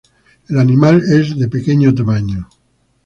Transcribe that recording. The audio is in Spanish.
El animal es de pequeño tamaño.